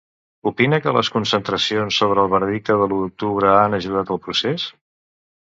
Opina que les concentracions sobre el veredicte de l'U d'Octubre han ajudat al procés?